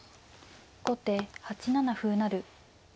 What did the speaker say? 後手８七歩成。